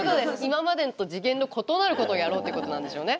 今までと次元の異なることをやろうっていうことなんでしょう。